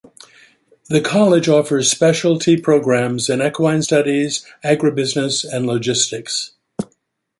The college offers specialty programs in equine studies, agribusiness, and logistics.